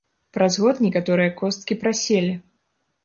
Праз год некаторыя косткі праселі.